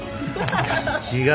違う。